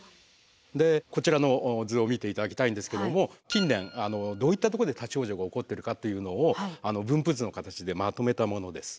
でこちらの図を見て頂きたいんですけども近年どういったとこで立往生が起こってるかっていうのを分布図の形でまとめたものです。